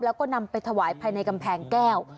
แล้วก็นำไปถวายภายในกำแพงแก้ว